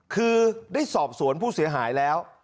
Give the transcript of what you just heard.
คือได้สอบสวนผู้เสียหายแล้ว